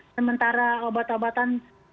sementara obat obatan ini juga masih banyak